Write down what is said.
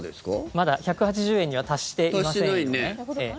まだ１８０円には達していないです。